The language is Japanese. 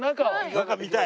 中見たい。